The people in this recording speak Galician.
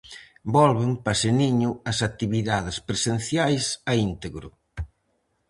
Volven, paseniño, as actividades presenciais a integro.